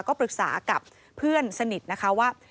ก็ปรึกษากับเพื่อนสนิทนะคะว่า